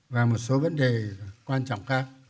và một số vấn đề quan trọng